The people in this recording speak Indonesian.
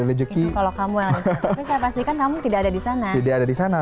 tapi saya pastikan kamu tidak ada disana